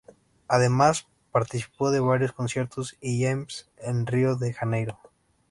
Además participó de varios conciertos y "jams" en Río de Janeiro.